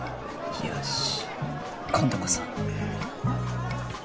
よし今度こそ。